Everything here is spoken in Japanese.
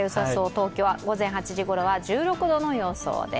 東京午前８時ごろは１６度の予想です。